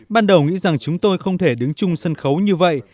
ban đầu nghĩ rằng chúng tôi không thể đứng chung sân khấu như vậy